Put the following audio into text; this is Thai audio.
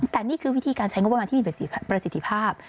แต่นี่คือวิธีการใช้งบประมาณที่มีประสิทธิภาพ